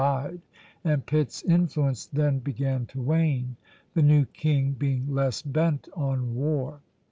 died, and Pitt's influence then began to wane, the new king being less bent on war.